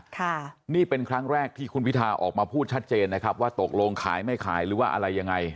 ค่ะนี่เป็นครั้งแรกที่คุณพิทาออกมาพูดชัดเจนนะครับว่าตกลงขายไม่ขายหรือว่าอะไรยังไง